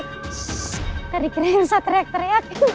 tadi kira elsa tereak tereak